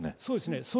そうですね。